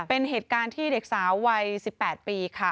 เป็นเหตุการณ์ที่เด็กสาววัย๑๘ปีค่ะ